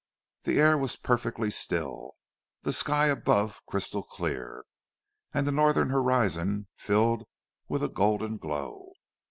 The air was perfectly still, the sky above crystal clear, and the Northern horizon filled with a golden glow.